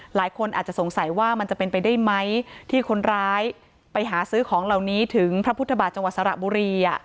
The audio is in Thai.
หลายคนอาจจะสงสัยว่ามันจะเป็นไปได้ไหมที่คนร้ายไปหาซื้อของเหล่านี้ถึงพระพุทธบาทจังหวัดสระบุรี